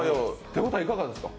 手応えいかがですか？